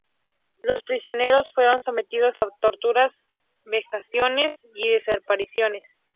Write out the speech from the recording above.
Los prisioneros fueron sometidos a torturas, vejaciones y desapariciones.